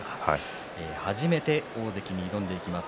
初めて大関に挑んでいきます。